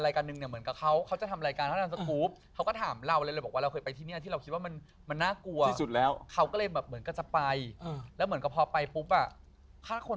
ล่าสุดเพิ่งไปมาเมื่อไม่ถึงเดือนเนี่ย